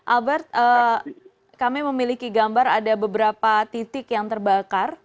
albert kami memiliki gambar ada beberapa titik yang terbakar